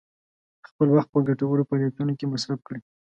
خپل وخت په ګټورو فعالیتونو کې مصرف کړئ.